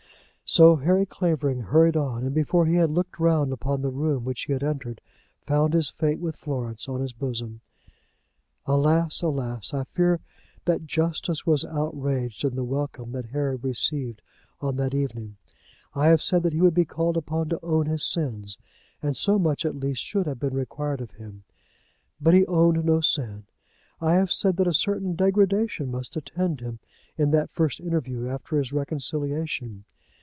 So Harry Clavering hurried on, and before he had looked round upon the room which he had entered, found his fate with Florence on his bosom. Alas, alas! I fear that justice was outraged in the welcome that Harry received on that evening. I have said that he would be called upon to own his sins, and so much, at least, should have been required of him. But he owned no sin! I have said that a certain degradation must attend him in that first interview after his reconciliation.